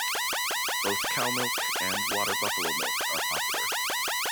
Both cow milk and water buffalo milk are popular.